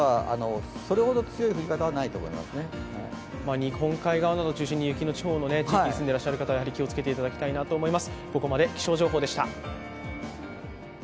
日本海側などを中心に雪の地方に住んでいらっしゃる方は気をつけていただきたいなと思います。